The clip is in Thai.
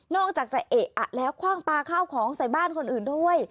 อกจากจะเอะอะแล้วคว่างปลาข้าวของใส่บ้านคนอื่นด้วย